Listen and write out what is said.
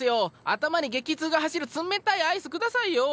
頭に激痛が走る冷たいアイス下さいよ！